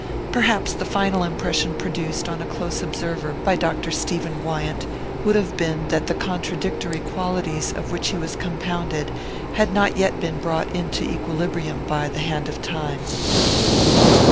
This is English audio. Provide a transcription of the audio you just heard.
Perhaps the final impression produced on a close observer by Dr. Stephen Wyant would have been that the contradictory qualities of which he was compounded had not yet been brought into equilibrium by the hand of time.